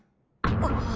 あっ！